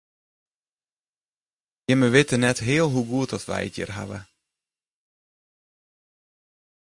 Jimme witte net heal hoe goed oft wy it hjir hawwe.